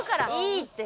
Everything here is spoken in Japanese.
いいって。